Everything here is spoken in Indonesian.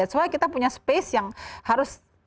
soalnya kita punya space yang harus